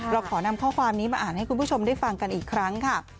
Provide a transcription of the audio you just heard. เราขอนำข้อความนี้มาอ่านให้คุณผู้ชมได้ฟังกันอีกครั้งค่ะ